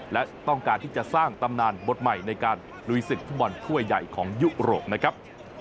และต้องการที่จะสร้างตำนานบทใหม่ในการลุยศึกฟุตบอลถ้วยใหญ่ของยุโรปนะครับ